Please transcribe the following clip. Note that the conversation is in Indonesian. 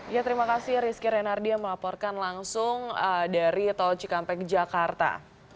ya terima kasih rizky renardi yang melaporkan langsung dari tol cikampek jakarta